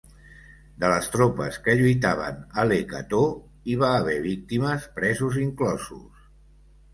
De les tropes que lluitaven a Le Cateau, hi va haver víctimes, presos inclosos.